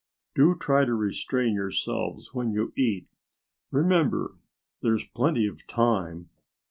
"Do try to restrain yourselves when you eat. Remember there's plenty of time."